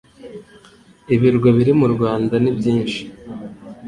Ibirwa biri mu u Rwanda ni byinshi